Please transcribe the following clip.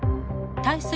対する